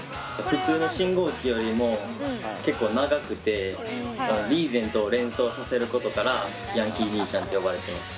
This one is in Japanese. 普通の信号機よりも結構長くてリーゼントを連想させることから「ヤンキー兄ちゃん」って呼ばれてます。